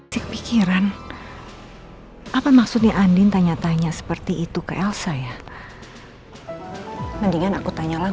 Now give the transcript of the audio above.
sampai jumpa di video selanjutnya